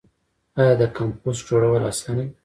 آیا د کمپوسټ جوړول اسانه دي؟